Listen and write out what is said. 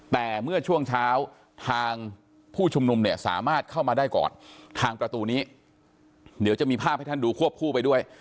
แต่เมื่อช่วงเช้าทางผู้ชุมนุมเนี่ยสามารถเข้ามาได้ก่อนทางประตูนี้เดี๋ยวจะมีภาพให้ท่านดูควบคู่ไปด้วย